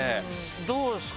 どうですか？